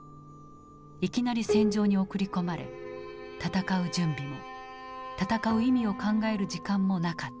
いきなり戦場に送り込まれ戦う準備も戦う意味を考える時間もなかった。